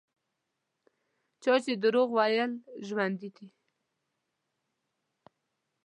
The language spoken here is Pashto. چا چې دروغ ویل ژوندي دي.